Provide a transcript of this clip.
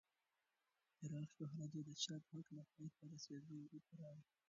پراخ شهرت یې د چاپ حق له پای ته رسېدو وروسته راغی.